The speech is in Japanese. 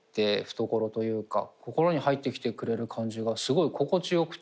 懐というか心に入ってきてくれる感じがすごい心地良くて。